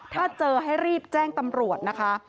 ถ้าเจอให้รีบแจ้งตำรวจนะคะ